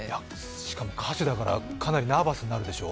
しかも歌手だから、かなりナーバスになるでしょ。